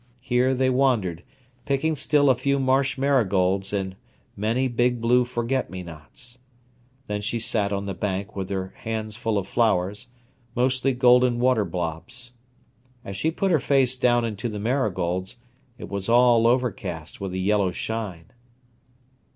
Here they wandered, picking still a few marsh marigolds and many big blue forget me nots. Then she sat on the bank with her hands full of flowers, mostly golden water blobs. As she put her face down into the marigolds, it was all overcast with a yellow shine.